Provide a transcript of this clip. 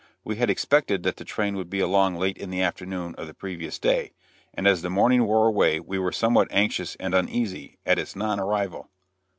We had expected that the train would be along late in the afternoon of the previous day, and as the morning wore away we were somewhat anxious and uneasy, at its non arrival.